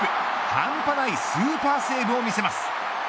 半端ないスーパーセーブを見せます。